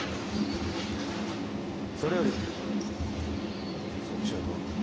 それよりそっちはどうなんだ？